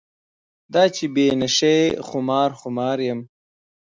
دا چې بې نشې خمار خمار یم.